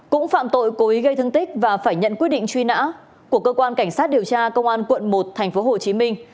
cũng phạm tội cố ý gây thương tích và phải nhận quyết định truy nã của cơ quan cảnh sát điều tra công an quận một thành phố hồ chí minh